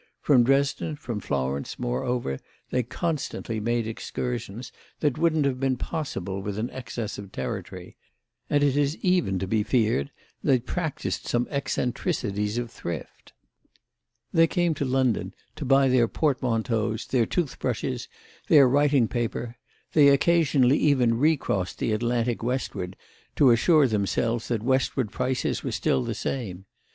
From Dresden, from Florence, moreover, they constantly made excursions that wouldn't have been possible with an excess of territory; and it is even to be feared they practised some eccentricities of thrift. They came to London to buy their portmanteaus, their toothbrushes, their writing paper; they occasionally even recrossed the Atlantic westward to assure themselves that westward prices were still the same.